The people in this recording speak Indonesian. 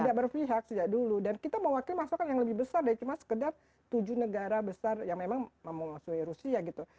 tidak berpihak sejak dulu dan kita mewakili pasokan yang lebih besar dari cuma sekedar tujuh negara besar yang memang memasuki rusia gitu